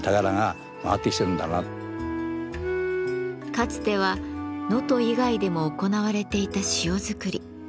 かつては能登以外でも行われていた塩作り。